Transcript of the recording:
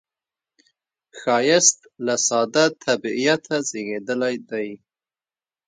ښایست له ساده طبعیته زیږېدلی دی